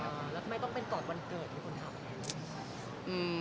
แล้วทำไมต้องเป็นตอนวันเกิดที่คุณถามกัน